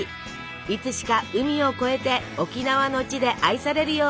いつしか海を越えて沖縄の地で愛されるようになったのです。